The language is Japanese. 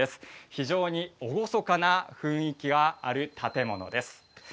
非常に厳かな雰囲気がある建物です。